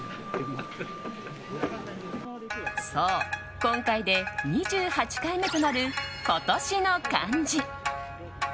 そう、今回で２８回目となる今年の漢字。